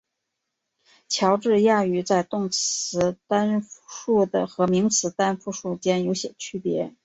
乔治亚语在动词单复数和名词单复数间有些区别。